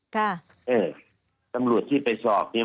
ค่ะเออตำรวจที่ไปสอบเนี่ย